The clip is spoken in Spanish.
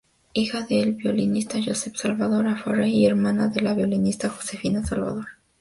Hija del violinista Josep Salvador i Ferrer y hermana de la violinista Josefina Salvador.